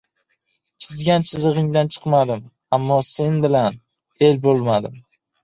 chizgan chizig‘ingdan chiqmadim — ammo sen bilan el bo‘lmadim!